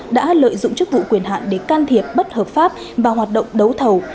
đã lợi dụng chức vụ quyền hạn để can thiệp bất hợp pháp và hoạt động đấu thầu